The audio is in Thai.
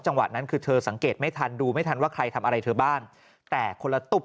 จังหวะนั้นคือเธอสังเกตไม่ทันดูไม่ทันว่าใครทำอะไรเธอบ้างแต่คนละตุ๊บ